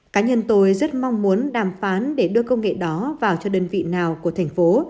cá nhân tôi rất mong muốn đàm phán để đưa công nghệ đó vào cho đơn vị nào của thành phố